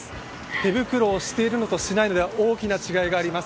手袋をしているのとしていないのでは大きな違いがあります。